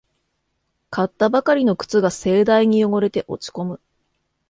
買ったばかりの靴が盛大に汚れて落ちこむ